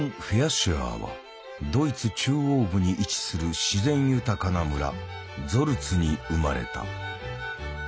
シュアーはドイツ中央部に位置する自然豊かな村ゾルツに生まれた。